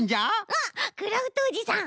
あっクラフトおじさん！